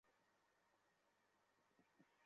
কয়দিন পর পর-ই চাকরি হারাস।